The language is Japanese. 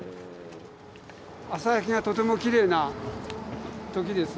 朝焼けがとてもきれいな時です。